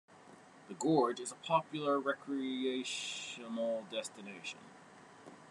The gorge is a popular recreational destination.